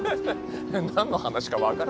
何の話か分からないね。